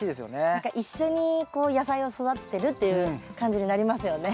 何か一緒にこう野菜を育ててるっていう感じになりますよね。